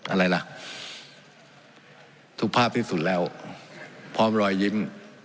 อะไรล่ะทุกภาพที่สุดแล้วพร้อมรอยยิ้ม